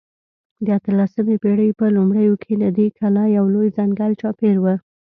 د اتلسمې پېړۍ په لومړیو کې له دې کلا یو لوی ځنګل چاپېر و.